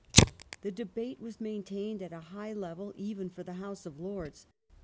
The debate was maintained at a level high even for the House of Lords.